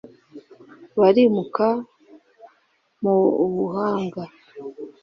barimuka mu buhanga.